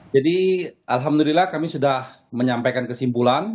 jadi alhamdulillah kami sudah menyampaikan kesimpulan